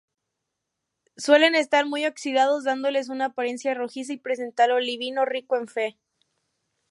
Suelen estar muy oxidados, dándoles una apariencia rojiza, y presentar olivino rico en Fe.